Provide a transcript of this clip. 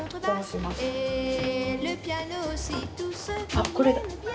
あっこれだ！